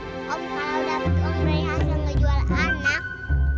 om kalau dapet om berhasil ngejual anak